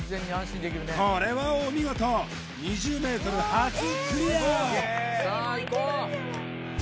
これはお見事２０ｍ初クリア